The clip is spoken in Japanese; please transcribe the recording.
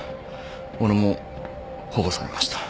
俺も保護されました。